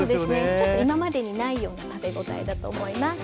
ちょっと今までにないような食べごたえだと思います。